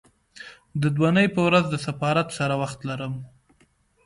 د دونۍ په ورځ د سفارت سره وخت لرم